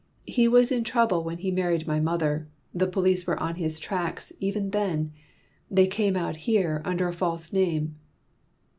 He was in trouble when he married my mother; the police were on his tracks even then: they came out here under a false name."